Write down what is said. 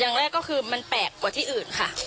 อย่างแรกก็คือมันแปลกกว่าที่อื่นค่ะ